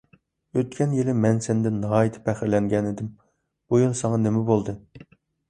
ئۆتكەن يىلى مەن سەندىن ناھايىتى پەخىرلەنگەنىدىم، بۇ يىل ساڭا نېمە بولدى؟